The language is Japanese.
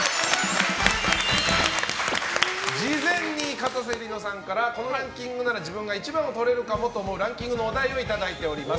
事前に、かたせ梨乃さんからこのランキングなら自分が１番をとれるかもと思うランキングのお題をいただいております。